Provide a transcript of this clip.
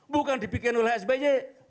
bukan dibuat oleh sby